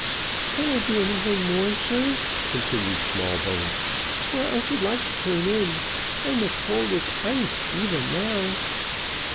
"Can I do anything more, sir?" continued Smallbones; "for I should like to turn in I'm as cold as ice, even now."